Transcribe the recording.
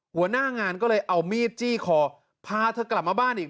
หัวหน้างานก็เลยเอามีดจี้คอพาเธอกลับมาบ้านอีก